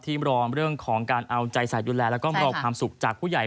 รอเรื่องของการเอาใจใส่ดูแลแล้วก็รอความสุขจากผู้ใหญ่